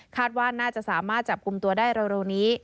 ว่าน่าจะสามารถจับกลุ่มตัวได้เร็วนี้